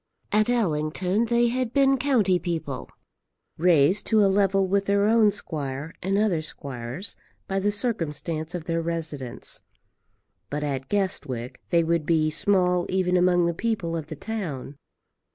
At Allington they had been county people, raised to a level with their own squire and other squires by the circumstance of their residence; but at Guestwick they would be small even among the people of the town.